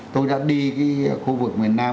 tôi đã đi cái khu vực miền nam